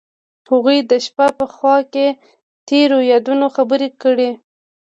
هغوی د شپه په خوا کې تیرو یادونو خبرې کړې.